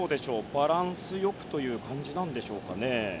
バランス良くという感じでしょうか。